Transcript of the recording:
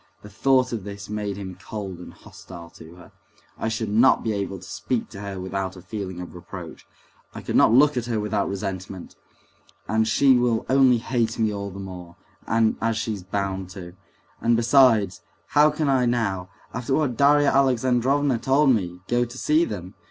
The thought of this made him cold and hostile to her. "I should not be able to speak to her without a feeling of reproach; I could not look at her without resentment; and she will only hate me all the more, as she's bound to. And besides, how can I now, after what Darya Alexandrovna told me, go to see them?